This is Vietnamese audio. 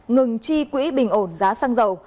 ngừng chi quỹ bình ổn giá xăng dầu